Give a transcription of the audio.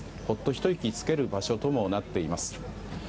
ほっとひと息つける場所ともなっています。